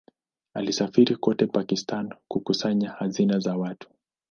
Alisafiri kote Pakistan kukusanya hazina za watu.